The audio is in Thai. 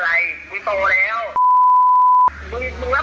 อ่ะถ้ามึงจะโอนกดโอนตรงสติสมา